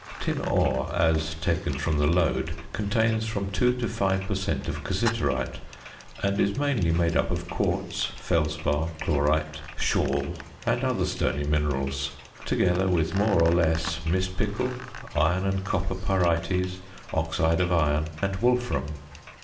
Tin ore, as taken from the lode, contains from 2 to 5 per cent. of cassiterite, and is mainly made up of quartz, felspar, chlorite, schorl, and other stony minerals, together with more or less mispickel, iron and copper pyrites, oxide of iron, and wolfram.